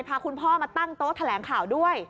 พาคุณพ่อมาตั้งโต๊ะแถลงข่าวด้วย